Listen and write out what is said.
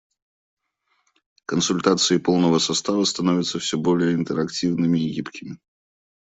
Консультации полного состава становятся все более интерактивными и гибкими.